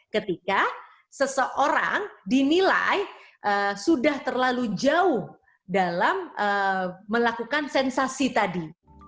ketika seseorang dinilai sudah terlalu jauh dalam melakukan sensasi tadi